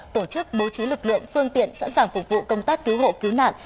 tổ chức bố trí lực lượng phương tiện sẵn sàng phục vụ công tác cứu hộ cứu nạn